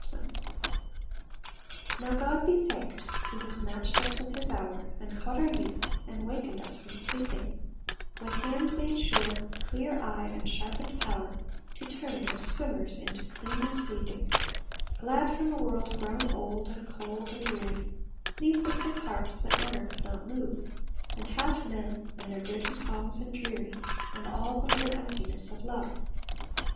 PEACE Now, God be thanked Who has matched us with His hour, And caught our youth, and wakened us from sleeping, With hand made sure, clear eye, and sharpened power, To turn, as swimmers into cleanness leaping, Glad from a world grown old and cold and weary, Leave the sick hearts that honour could not move, And half men, and their dirty songs and dreary, And all the little emptiness of love!